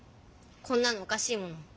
こんなのおかしいもん。